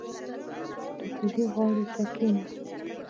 • د کوهي غاړې ته کښېنه.